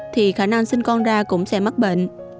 thì khả năng sinh con ra cũng sẽ mắc bệnh